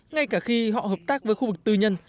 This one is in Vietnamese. ngay cả khi họ hợp tác với khu vực tư nhân